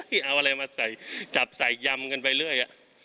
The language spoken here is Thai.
ไม่มีคำคิดอะไรเลยเอาอะไรมาจับใส่ยำกันไปเรื่อย